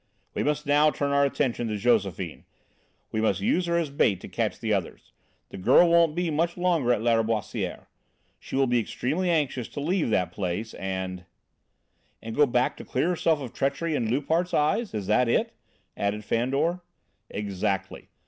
"We must now turn our attention to Josephine; we must use her as a bait to catch the others. The girl won't be much longer at Lâriboisière. She will be extremely anxious to leave that place and " "And go back to clear herself of treachery in Loupart's eyes? Is that it?" added Fandor. "Exactly.